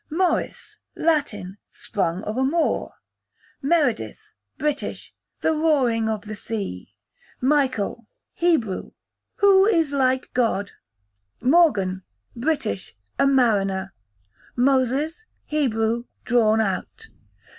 Maurice, Latin, sprung of a Moor. Meredith, British, the roaring of the sea. Michael, Hebrew, who is like God? Morgan, British, a mariner. Moses, Hebrew, drawn out.